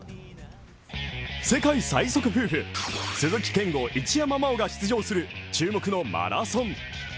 世界最速夫婦、鈴木健吾、一山麻緒が出場する注目のマラソン。